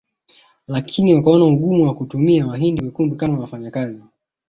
Lakini wakaona ugumu wa kutumia Wahindi wekundu kama wafanyakazi